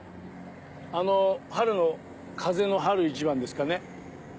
あの春の風の春一番ですかね。